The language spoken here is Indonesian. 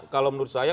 kalau menurut saya